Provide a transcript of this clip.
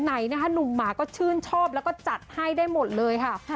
ไหนนะคะหนุ่มหมาก็ชื่นชอบแล้วก็จัดให้ได้หมดเลยค่ะ